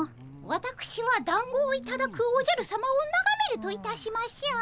わたくしはだんごをいただくおじゃるさまをながめるといたしましょう。